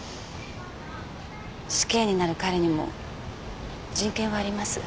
死刑になる彼にも人権はあります。